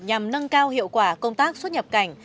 nhằm nâng cao hiệu quả công tác xuất nhập cảnh